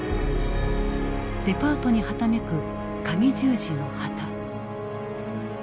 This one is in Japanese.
デパートにはためくカギ十字の旗。